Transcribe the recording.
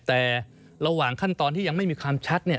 แต่ระหว่างขั้นตอนที่ยังไม่มีความชัด